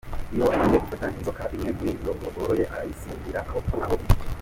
Iyo agiye gufata inzoka imwe muri izo boroye, arayisingira aho iri.